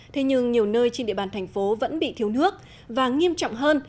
thế nhưng nhiều nơi trên địa bàn thành phố vẫn bị thiếu nước và nghiêm trọng hơn